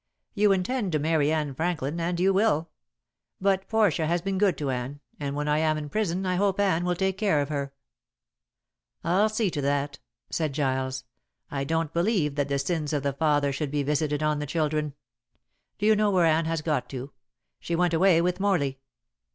You intend to marry Anne Franklin and you will. But Portia has been good to Anne, and when I am in prison I hope Anne will take care of her." "I'll see to that," said Giles. "I don't believe that the sins of the father should be visited on the children. Do you know where Anne has got to? She went away with Morley."